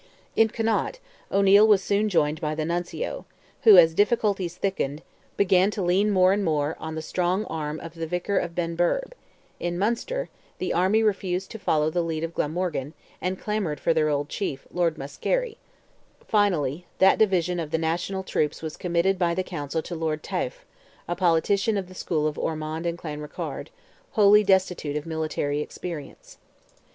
In Connaught, O'Neil was soon joined by the Nuncio, who, as difficulties thickened, began to lean more and more on the strong arm of the victor of Benburb; in Munster, the army refused to follow the lead of Glamorgan, and clamoured for their old chief, Lord Muskerry; finally, that division of the national troops was committed by the Council to Lord Taafe, a politician of the school of Ormond and Clanrickarde, wholly destitute of military experience.